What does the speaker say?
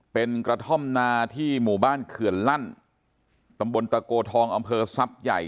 เป็นกระท่อมนาที่หมู่บ้านเขื่อนลั่นตำบลตะโกทองอำเภอทรัพย์ใหญ่